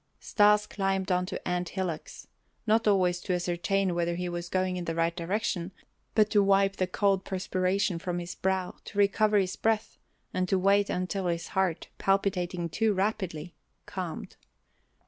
Stas climbed onto ant hillocks, not always to ascertain whether he was going in the right direction, but to wipe the cold perspiration from his brow, to recover his breath, and to wait until his heart, palpitating too rapidly, calmed.